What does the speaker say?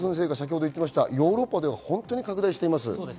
ヨーロッパでは本当に拡大しています。